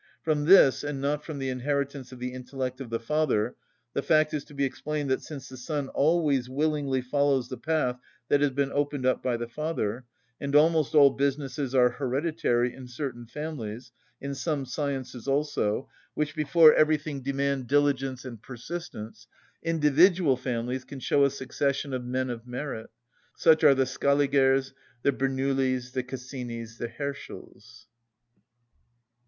From this, and not from the inheritance of the intellect of the father, the fact is to be explained that, since the son always willingly follows the path that has been opened up by the father, and almost all businesses are hereditary in certain families, in some sciences also, which before everything demand diligence and persistence, individual families can show a succession of men of merit; such are the Scaligers, the Bernouillis, the Cassinis, the Herschels.